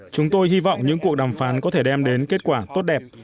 chúng tôi hy vọng những cuộc đàm phán có thể đem đến kết quả tốt đẹp